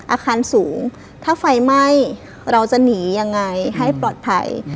อาคารสูงถ้าไฟไหม้เราจะหนียังไงให้ปลอดภัย